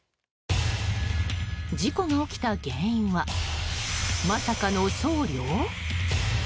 事故が起きた原因はまさかの僧侶？